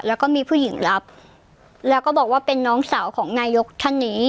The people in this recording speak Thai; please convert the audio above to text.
แล้วก็มีผู้หญิงรับแล้วก็บอกว่าเป็นน้องสาวของนายกท่านนี้